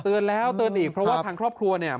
เตือนแล้วเตือนอีกเพราะว่าทางครอบครัวเนี่ย